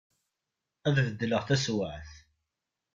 Ad bedleγ taswaԑt.